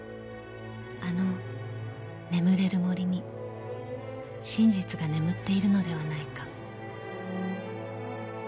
［あの眠れる森に真実が眠っているのではないか］